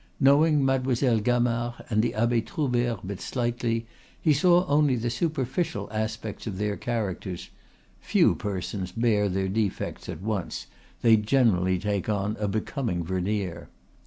Knowing Mademoiselle Gamard and the Abbe Troubert but slightly, he saw only the superficial aspects of their characters; few persons bare their defects at once, they generally take on a becoming veneer.